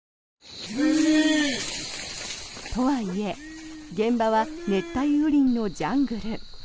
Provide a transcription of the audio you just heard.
とはいえ現場は熱帯雨林のジャングル。